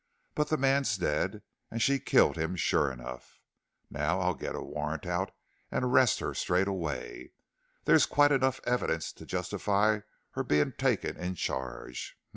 But the man's dead, and she killed him sure enough. Now, I'll get a warrant out and arrest her straight away. There's quite enough evidence to justify her being taken in charge.